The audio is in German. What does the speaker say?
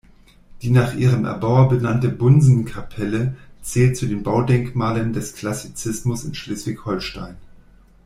Die nach ihrem Erbauer benannte Bundsen-Kapelle zählt zu den Baudenkmalen des Klassizismus in Schleswig-Holstein.